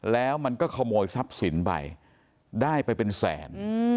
แล้วมันก็ขโมยทรัพย์สินไปได้ไปเป็นแสน